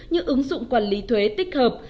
như ứng dụng quản lý thuế tích hợp